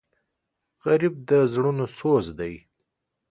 غریب د زړونو سوز دی